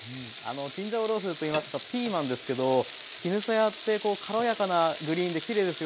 チンジャオロースーといいますとピーマンですけど絹さやってこう軽やかなグリーンできれいですよね。